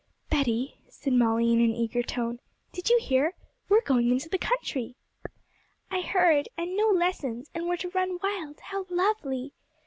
'Betty,' said Molly, in an eager tone, 'did you hear? We're going into the country.' 'I heard; and no lessons, and we're to run wild; how lovely!'